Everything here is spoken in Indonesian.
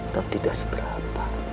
tapi tidak seberapa